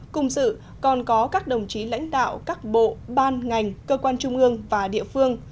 cùng dự còn có các đồng chí lãnh đạo các bộ ban ngành cơ quan trung ương và địa phương